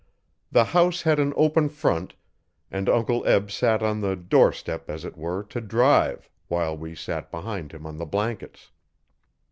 The house had an open front, and Uncle Eb sat on the doorstep, as it were, to drive, while we sat behind him on the blankets.